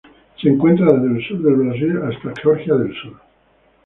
Se encuentra desde el sur del Brasil hasta Georgia del Sur.